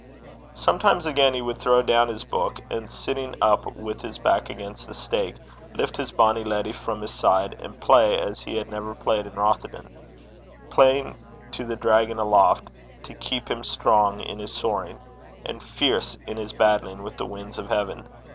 Sometimes, again, he would throw down his book, and sitting up with his back against the stake, lift his bonny leddy from his side, and play as he had never played in Rothieden, playing to the dragon aloft, to keep him strong in his soaring, and fierce in his battling with the winds of heaven.